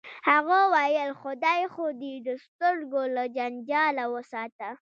هغه ویل خدای خو دې د سترګو له جنجاله وساته